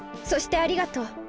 そしてありがとう。